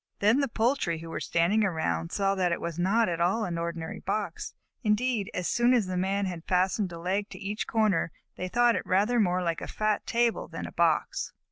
Then the poultry who were standing around saw that it was not at all an ordinary box. Indeed, as soon as the Man had fastened a leg to each corner, they thought it rather more like a fat table than a box.